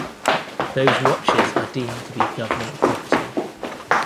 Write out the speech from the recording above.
Those watches are deemed to be government property.